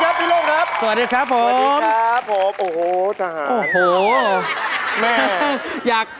สวัสดีครับปีโล่งครับ